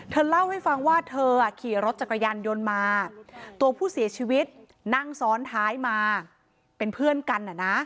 เธอเล่าให้ฟังว่าเธอขี่รถจักรยานยนต์มาตัวผู้เสียชีวิตนั่งซ้อนท้ายมาเป็นเพื่อนกัน